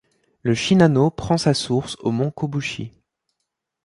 Le Shinano prend sa source au mont Kobushi.